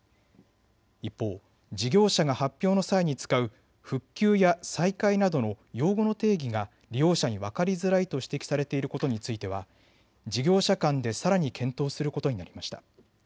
一方、事業者が発表の際に使う復旧や再開などの用語の定義が利用者に分かりづらいと指摘されていることについては事業者間でさらに検討することになりました。